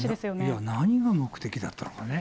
いや、何が目的だったのかね。